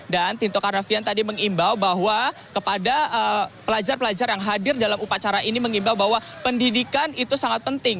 dan tito karnavian tadi mengimbau bahwa kepada pelajar pelajar yang hadir dalam upacara ini mengimbau bahwa pendidikan itu sangat penting